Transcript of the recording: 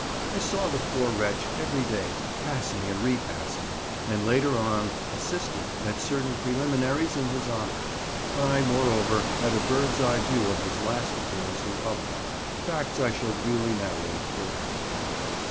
I saw the poor wretch every day passing and repassing, and later on "assisted" at certain preliminaries in his honour. I moreover had a bird's eye view of his last appearance in public, facts that I shall duly narrate hereafter.